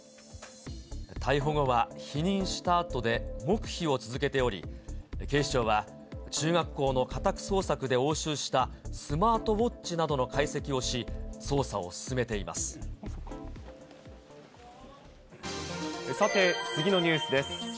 逮捕後は否認したあとで黙秘を続けており、警視庁は、中学校の家宅捜索で押収したスマートウォッチなどの解析をし、さて、次のニュースです。